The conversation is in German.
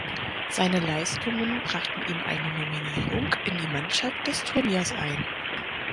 Seine Leistungen brachten ihm eine Nominierung in die Mannschaft des Turniers ein.